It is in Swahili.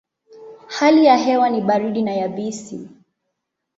Hali ya hewa ni baridi na yabisi.